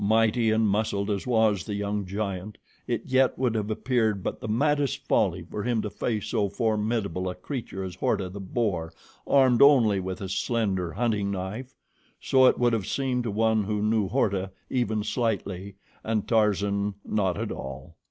Mighty and muscled as was the young giant, it yet would have appeared but the maddest folly for him to face so formidable a creature as Horta, the boar, armed only with a slender hunting knife. So it would have seemed to one who knew Horta even slightly and Tarzan not at all.